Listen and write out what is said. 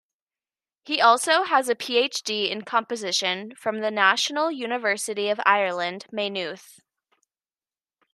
He also has a PhD in composition from the National University of Ireland, Maynooth.